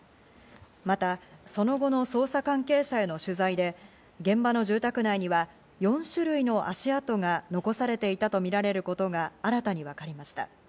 また、その後の捜査関係者への取材で、現場の住宅内には４種類の足跡が残されていたとみられることが新たに分かりました。